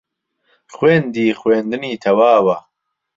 خوێندی خوێندنی تەواوە